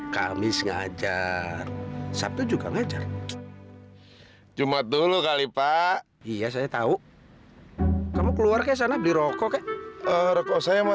sampai jumpa di video selanjutnya